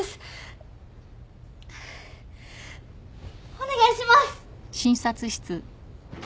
お願いします。